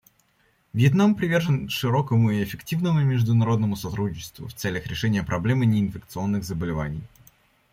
Вьетнам привержен широкому и эффективному международному сотрудничеству в целях решения проблемы неинфекционных заболеваний.